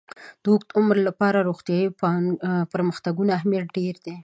د اوږد عمر لپاره د روغتیايي پرمختګونو اهمیت ډېر دی.